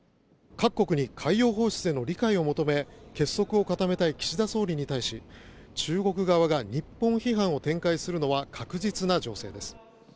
各国に海洋放出への理解を求め結束を固めたい岸田総理に対し中国側が日本批判を展開するのは確実な情勢です。